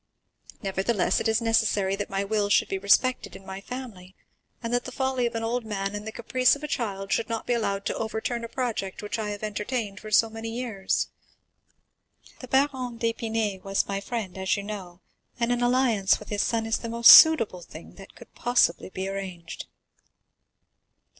Nevertheless, it is necessary that my will should be respected in my family, and that the folly of an old man and the caprice of a child should not be allowed to overturn a project which I have entertained for so many years. The Baron d'Épinay was my friend, as you know, and an alliance with his son is the most suitable thing that could possibly be arranged."